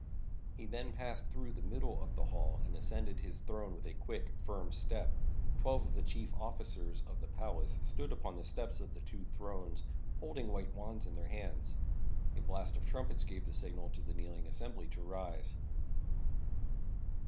He then passed through the middle of the hall and ascended his throne with a quick, firm step. Twelve of the chief officers of the palace stood upon the steps of the two thrones, holding white wands in their hands. A blast of trumpets gave the signal to the kneeling assem bly to rise.